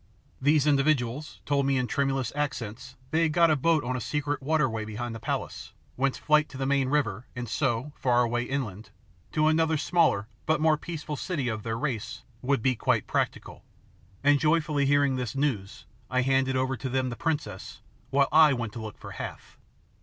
These individuals told me in tremulous accents they had got a boat on a secret waterway behind the palace whence flight to the main river and so, far away inland, to another smaller but more peaceful city of their race would be quite practical; and joyfully hearing this news, I handed over to them the princess while I went to look for Hath.